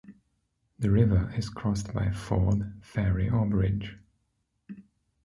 The river is crossed by ford, ferry or bridge.